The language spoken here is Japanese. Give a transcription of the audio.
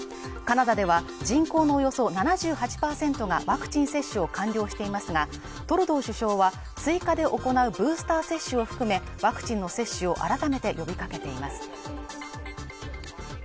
カナダでは人口のおよそ７８％がワクチン接種を完了していますがトルドー首相は追加で行うブースター接種を含めワクチンの接種を改めて呼びかけています